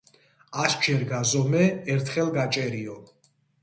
ასჯერ გაზომე, ერთხელ გაჭერიო.